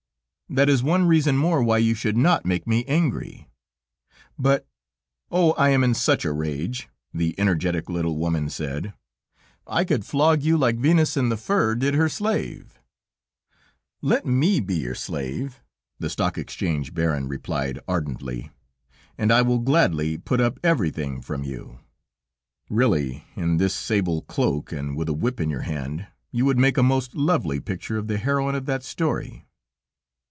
"That is one reason more why you should not make me angry." "But ..." "Oh! I am in such a rage," the energetic little woman said; "I could flog you like Venus in the Fur did her slave." [Footnote 2: One of Sacher Masoch's novels. TRANSLATOR.] "Let me be your slave," the Stock Exchange baron replied ardently, "and I will gladly put up with everything from you. Really, in this sable cloak, and with a whip in your hand, you would make a most lovely picture of the heroine of that story."